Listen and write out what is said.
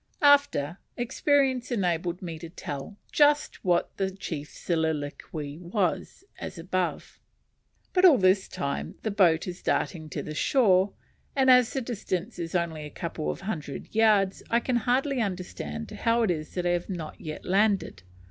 After experience enabled me to tell just what the chief's soliloquy was, as above. But all this time the boat is darting to the shore; and as the distance is only a couple of hundred yards, I can hardly understand how it is that I have not yet landed.